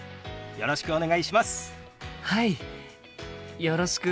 よろしくお願いします。